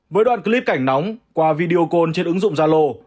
với đoạn clip cảnh nóng qua video call trên ứng dụng zalo